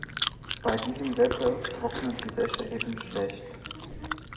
Bei diesem Wetter trocknet die Wäsche eben schlecht.